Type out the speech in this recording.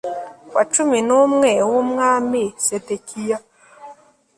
wa cumi n umwe w umwami sedekiya